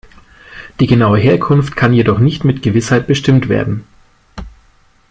Die genaue Herkunft kann jedoch nicht mit Gewissheit bestimmt werden.